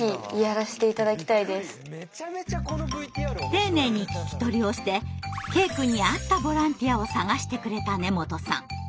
丁寧に聞き取りをしてケイくんに合ったボランティアを探してくれた根本さん。